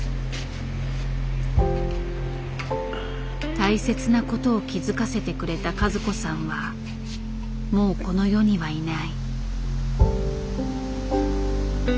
大切なことを気づかせてくれた和子さんはもうこの世にはいない。